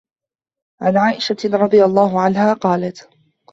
عَنْ عَائِشَةَ رَضِيَ اللَّهُ عَنْهَا قَالَتْ